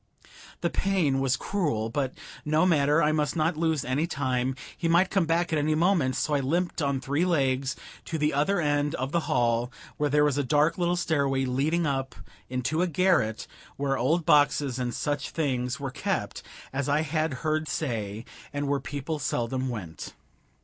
The pain was cruel, but, no matter, I must not lose any time; he might come back at any moment; so I limped on three legs to the other end of the hall, where there was a dark little stairway leading up into a garret where old boxes and such things were kept, as I had heard say, and where people seldom went.